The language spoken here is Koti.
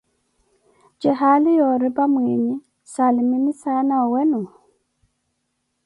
Jee haali yooripa mwiinyi, saalimini saana owenu ?